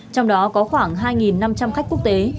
trong đó có khoảng hai năm trăm linh khách quốc tế